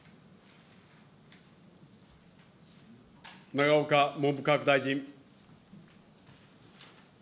永岡文部科学大臣。